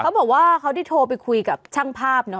เขาบอกว่าเขาได้โทรไปคุยกับช่างภาพ